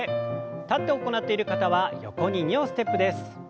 立って行っている方は横に２歩ステップです。